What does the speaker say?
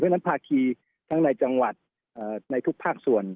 เพราะฉะนั้นภาคีทั้งในจังหวัดในทุกภาคส่วน